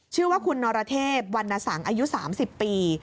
ชื่อว่าคุณนรเทพวรรณสังอายุ๓๐ปี